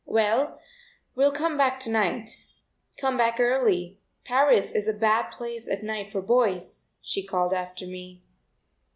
"Well, we'll come back to night." "Come back early; Paris is a bad place at night for boys," she called after me.